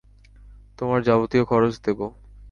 তোমার যাবতীয় খরচ দেবো।